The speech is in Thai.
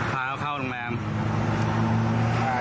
พาเขาเข้าโรงแรม